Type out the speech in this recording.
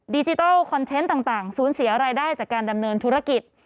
ดิจิทัลคอนเทนต์ต่างสูญเสียรายได้จากการดำเนินธุรกิจ